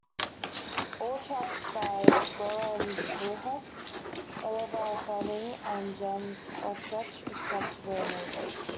All tracks by Bernd Burhoff, Oliver Froning and Jens Oetrich except where noted.